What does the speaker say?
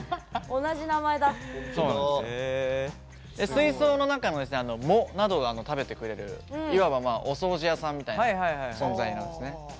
水槽の中の藻などを食べてくれるいわばお掃除屋さんみたいな存在なんですね。